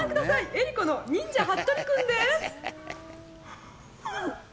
枝里子の忍者ハットリくんです